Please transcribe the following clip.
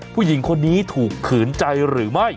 ผู้หญิงคนนี้ถูกขืนใจหรือไม่